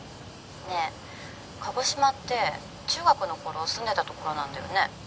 「ねえ鹿児島って中学の頃住んでた所なんだよね？」